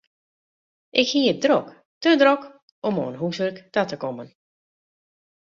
Ik hie it drok, te drok om oan húswurk ta te kommen.